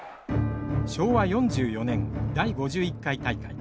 昭和４４年第５１回大会。